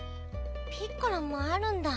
ピッコラもあるんだ。